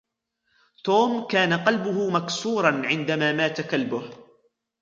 توم كان قلبه مكسور عندما مات كلبه